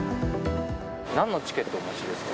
なんのチケットお持ちですか？